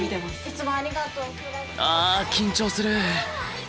あ緊張する。